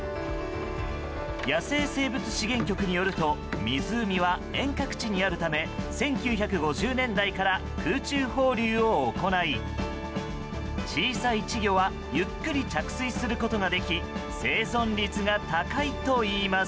野生生物資源局によると湖は遠隔地にあるため１９５０年代から空中放流を行い小さい稚魚はゆっくり着水することができ生存率が高いといいます。